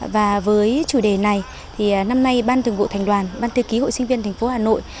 và với chủ đề này thì năm nay ban thường vụ thành đoàn ban tư ký hội sinh viên thành phố hà nội